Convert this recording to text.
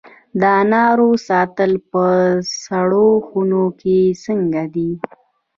د انارو ساتل په سړو خونو کې څنګه دي؟